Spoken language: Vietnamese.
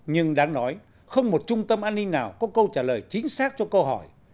nhưng đáng nói không một trung tâm an ninh nào có câu trả lời chính xác cho câu hỏi